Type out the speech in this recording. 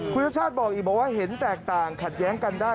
คุณชาติชาติบอกอีกบอกว่าเห็นแตกต่างขัดแย้งกันได้